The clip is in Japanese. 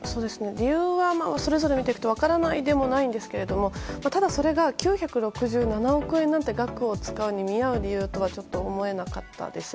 理由はそれぞれ見ていると分からないでもないですがただ、それが９６７億円なんて額を使うに見合う理由にはちょっと思えなかったです。